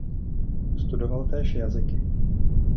Studoval též jazyky.